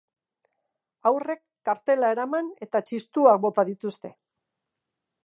Haurrek kartelak eraman eta txistuak bota dituzte.